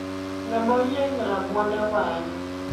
Ngama oyieng rabuonde wang